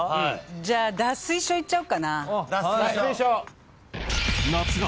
じゃあ脱水症いっちゃおうかな。